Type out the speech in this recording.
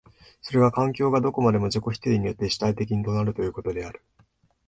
それが環境がどこまでも自己否定によって主体的となるということである。